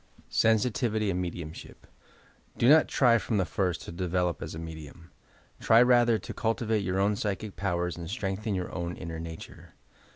SENSITIVITT AND MEDIUMSHtP Do not try from the first to develop as a medium. Try rather to cultivate your own psychic powers and strengthen your own inner nature.